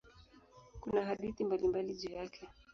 Kuna hadithi mbalimbali juu yake.